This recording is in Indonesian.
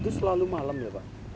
itu selalu malam ya pak